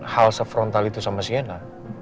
hal sefrontal itu sama sienna